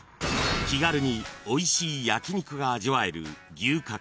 ［気軽においしい焼き肉が味わえる牛角］